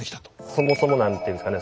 そもそも何て言うんですかね